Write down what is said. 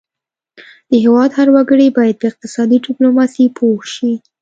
د هیواد هر وګړی باید په اقتصادي ډیپلوماسي پوه شي